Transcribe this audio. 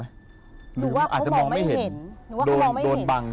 หรือว่าเขามองไม่เห็นหรือว่าเขามองไม่เห็นอาจจะมองไม่เห็นโดนบัง